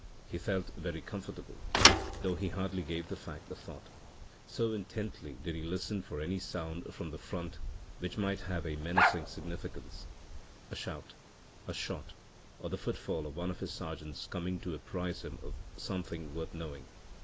He felt very comfortable, though he hardly gave the fact a thought, so intently did he listen for any sound from the front which might have a menacing significance a shout, a shot, or the footfall of one of his sergeants coming to apprise him of something worth knowing.